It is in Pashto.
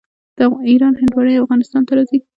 د ایران هندواڼې افغانستان ته راځي.